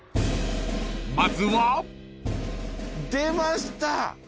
［まずは］出ました！